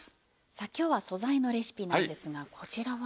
今日は「素材のレシピ」なんですがこちらは？